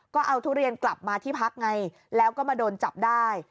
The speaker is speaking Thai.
ก็เอาทุเรียนกลับมาที่พักไงแล้วก็มาโดนจับได้